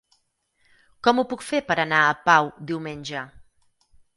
Com ho puc fer per anar a Pau diumenge?